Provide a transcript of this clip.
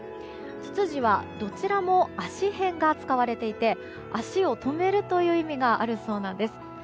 ツツジはどちらも足偏が使われていて足を止めるという意味があるそうなんです。